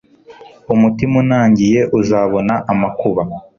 umutima unangiye uzabona amakuba